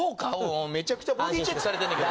めちゃくちゃボディチェックされてんだけど。